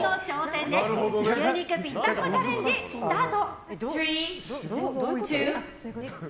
牛肉ぴったんこチャレンジスタート。